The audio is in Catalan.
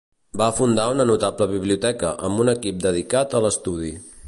Va fundar una notable biblioteca amb un equip dedicat a l'estudi.